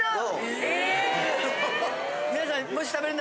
皆さん。